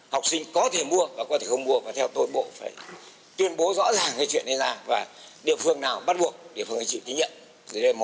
học sinh có thể mua và có thể không mua và theo tôi bộ phải tuyên bố rõ ràng cái chuyện này ra và địa phương nào bắt buộc địa phương anh chịu tín nhiệm